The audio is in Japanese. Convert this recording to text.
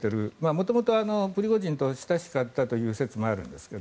元々、プリゴジンと親しかったという説もあるんですが。